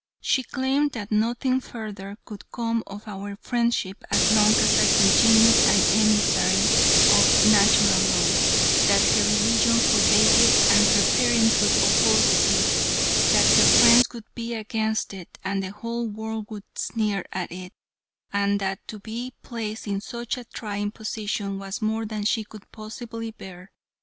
She claimed that nothing further could come of our friendship as long as I continued an emissary of Natural Law; that her religion forbade it and her parents would oppose it; that her friends would be against it, and the whole world would sneer at it; and that to be placed in such a trying position was more than she could possibly bear.